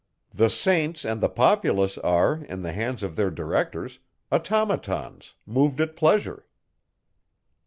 The saints and the populace are, in the hands of their directors, automatons, moved at pleasure.